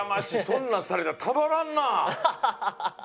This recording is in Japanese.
そんなんされたらたまらんなあ。